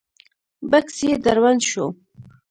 بکس يې دروند شو.